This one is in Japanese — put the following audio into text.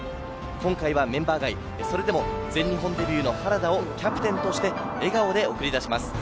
今回はメンバー外、それでも全日本デビューの原田をキャプテンとして笑顔で送り出します。